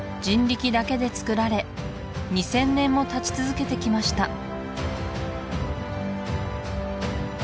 人力だけで造られ２０００年も立ち続けてきました